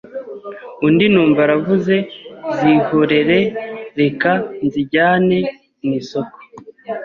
undi numva aravuze Zihorere reka nzijyane mu isoko"